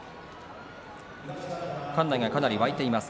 館内かなり沸いています。